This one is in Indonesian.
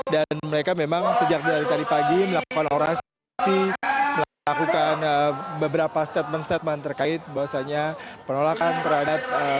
dan mereka memang sejak dari tadi pagi melakukan orasi melakukan beberapa statement statement terkait bahwasannya penolakan terhadap